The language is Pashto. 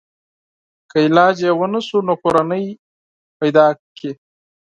که علاج یې ونشو نو کورنۍ پیدا کړي.